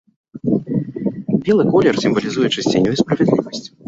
Белы колер сімвалізуе чысціню і справядлівасць.